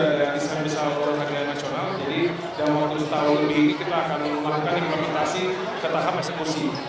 kita sudah disambil salur kegiatan nasional jadi dalam waktu setahun lebih ini kita akan melakukan implementasi ke tahap eksekusi